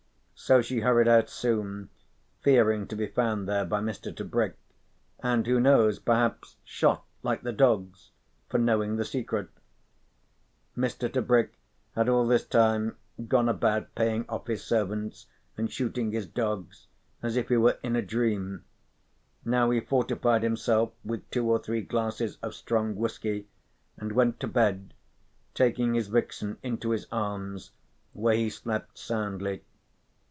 So she hurried out soon, fearing to be found there by Mr. Tebrick, and who knows, perhaps shot, like the dogs, for knowing the secret. Mr. Tebrick had all this time gone about paying off his servants and shooting his dogs as if he were in a dream. Now he fortified himself with two or three glasses of strong whisky and went to bed, taking his vixen into his arms, where he slept soundly.